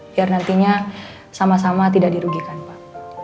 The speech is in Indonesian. biar nantinya sama sama tidak dirugikan pak